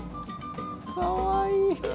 かわいい。